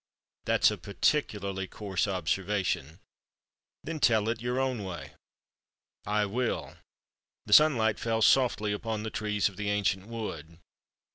"That's a peculiarly coarse observation." "Then tell it in your own way." "I will. The sunlight fell softly upon the trees of the ancient wood."